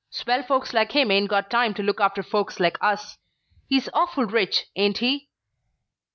Swell folks like him 'ain't got time to look after folks like us. He's awful rich, ain't he?"